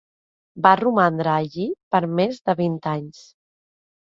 Va romandre allí per més de vint anys.